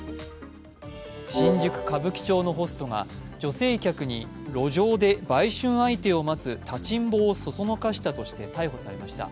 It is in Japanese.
新宿・歌舞伎町のホストが女性客に路上で売春相手を待つ立ちんぼをそそのかしたとして逮捕されました。